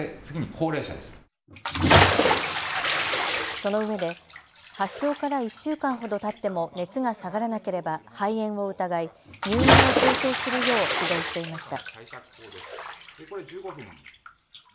そのうえで発症から１週間ほどたっても熱が下がらなければ肺炎を疑い、入院を調整するよう指導していました。